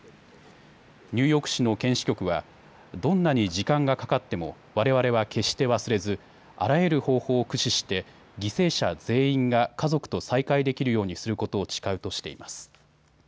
ニューヨーク市の検視局はどんなに時間がかかってもわれわれは決して忘れずあらゆる方法を駆使して犠牲者全員が家族と再会できるようにすることを誓うとしています。